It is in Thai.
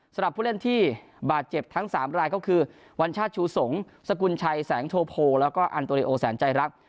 สำหรับผู้เล่นที่บาดเจ็บทั้ง๓รายก็คือวัญชาติชูสงศกุลชัยแสงโทโพแล้วก็อันโตริโอแสนใจรัก